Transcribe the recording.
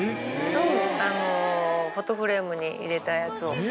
あのフォトフレームに入れたやつを。